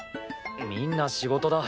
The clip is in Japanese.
みんな仕事だ。